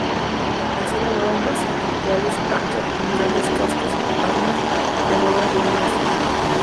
Así elaboraron vasijas rituales, hachas, puñales, cascos, armas y armaduras de gran maestría.